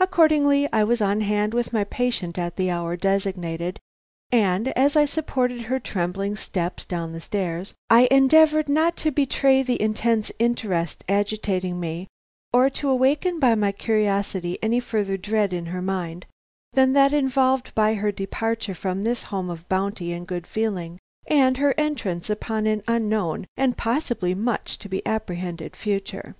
Accordingly I was on hand with my patient at the hour designated, and, as I supported her trembling steps down the stairs, I endeavored not to betray the intense interest agitating me, or to awaken by my curiosity any further dread in her mind than that involved by her departure from this home of bounty and good feeling, and her entrance upon an unknown and possibly much to be apprehended future.